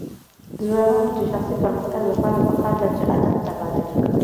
د ځوانانو د شخصي پرمختګ لپاره پکار ده چې ادب تبادله کړي.